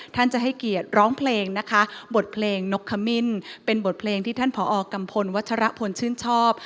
ท่านจะให้เกียรติร้องเพลงนะคะบทเพลงนกขมิ้นเป็นบทเพลงที่ท่านผอกัมพลวัชรพลชื่นชอบ